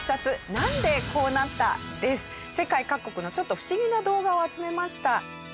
続いては世界各国のちょっと不思議な動画を集めました。